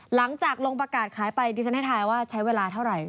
หลังจากลงประกาศขายไปดิฉันให้ทายว่าใช้เวลาเท่าไหร่